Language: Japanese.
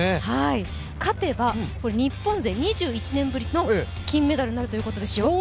勝てば日本勢２１年ぶりの金メダルになるということですよ。